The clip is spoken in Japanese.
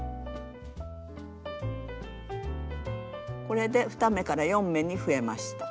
これで２目から４目に増えました。